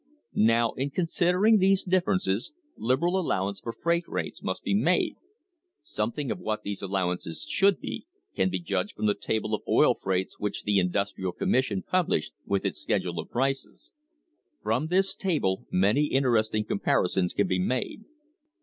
Now, in considering these differences, liberal allowance for freight rates must be made. Something of what these allowances should be can be judged from the table of oil freights which the Industrial Commission published with its schedule of prices. From this table many interesting com parisons can be made.